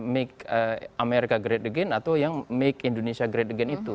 make america great again atau yang make indonesia great again itu